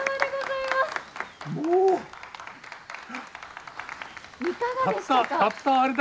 いかがでしたか？